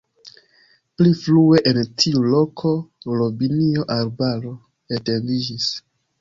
Pli frue en tiu loko robinio-arbaro etendiĝis.